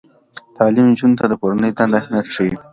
تعلیم نجونو ته د کورنۍ دندې اهمیت ښيي.